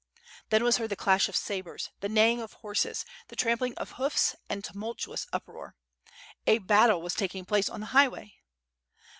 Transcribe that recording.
Then was heard the clash of sabres, the neighing of horses, the trampling of hoofs and tumultuous uproar. A battle was taking place on the highway.